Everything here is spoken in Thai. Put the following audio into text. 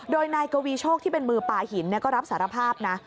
โดยนายกวีโชคที่เป็นมือปลาหินก็รับสารภาพนะ